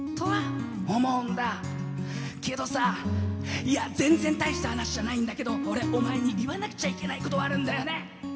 けどさいや全然大した話じゃないんだけど俺お前に言わなくちゃいけないことがあるんだよね。